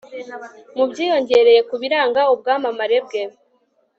mu byiyongereye ku biranga ubwamamare bwe